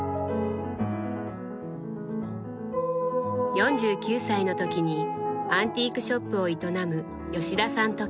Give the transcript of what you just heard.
４９歳の時にアンティークショップを営む吉田さんと結婚。